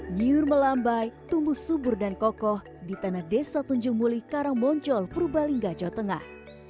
nyur melambai tumbuh subur dan kokoh di tanah desa tunjung mulih karangboncol purbalingga jawa tengah